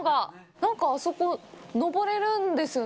なんかあそこ、登れるんですね。